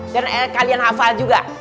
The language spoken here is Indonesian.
dan kalian hafal juga